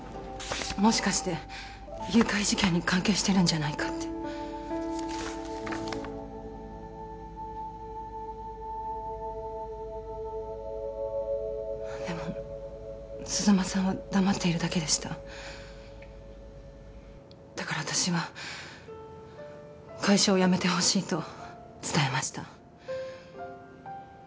もしかして誘拐事件に関係してるんじゃないかってでも鈴間さんは黙っているだけでしただから私は会社を辞めてほしいと伝えました